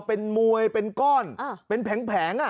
เป็นมวยเป็นก้อนเป็นแผง